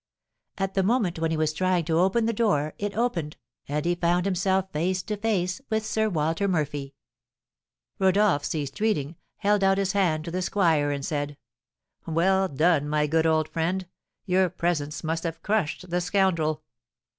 At the moment when he was trying to open the door, it opened, and he found himself face to face with Sir Walter Murphy." Rodolph ceased reading, held out his hand to the squire, and said: "Well done, my good old friend; your presence must have crushed the scoundrel!"